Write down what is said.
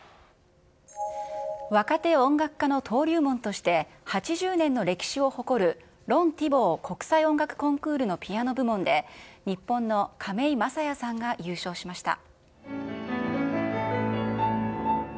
若手音楽家の登竜門として、８０年の歴史を誇る、ロン・ティボー国際音楽コンクールのピアノ部門で、日本の亀井聖矢さんが優勝しました。